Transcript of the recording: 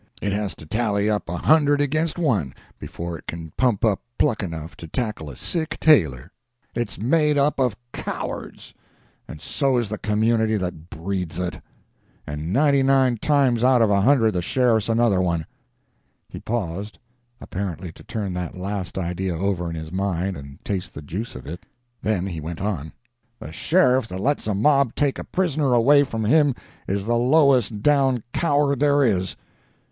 It has to tally up a hundred against one before it can pump up pluck enough to tackle a sick tailor. It's made up of cowards, and so is the community that breeds it; and ninety nine times out of a hundred the sheriff's another one." He paused apparently to turn that last idea over in his mind and taste the juice of it then he went on: "The sheriff that lets a mob take a prisoner away from him is the lowest down coward there is.